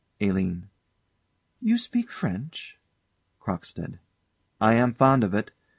_ ALINE. You speak French? CROCKSTEAD. I am fond of it.